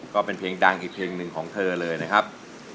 ก็เป็นเพลงดังอีกเพลงหนึ่งของเธอเลยนะครับ